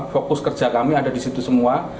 fokus kerja kami ada di situ semua